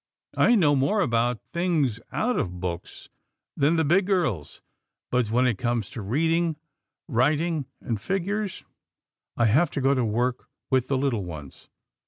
I know more about things out of books than the big girls, but when it comes to reading, writing, and figures, I have to go to work with the Httle ones.